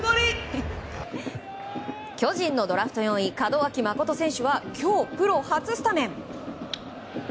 巨人のドラフト４位門脇誠選手は今日、プロ初スタメン。